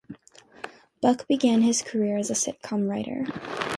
Buck began his career as a sitcom writer.